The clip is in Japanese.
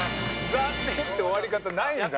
「残念」って終わり方ないんだ。